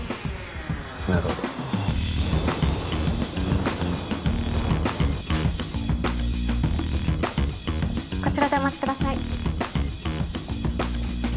なるほどこちらでお待ちください